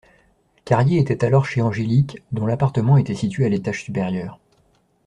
Carrier était alors chez Angélique, dont l'appartement était situé à l'étage supérieur.